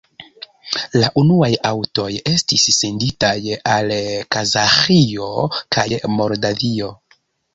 La unuaj aŭtoj estis senditaj al Kazaĥio kaj Moldavio.